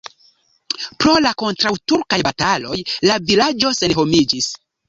Pro la kontraŭturkaj bataloj la vilaĝo senhomiĝis.